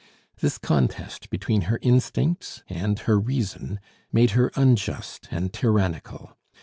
This contest between her instincts and her reason made her unjust and tyrannical.